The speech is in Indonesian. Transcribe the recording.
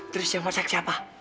terus yang masak siapa